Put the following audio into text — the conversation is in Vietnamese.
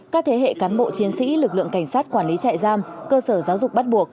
các thế hệ cán bộ chiến sĩ lực lượng cảnh sát quản lý trại giam cơ sở giáo dục bắt buộc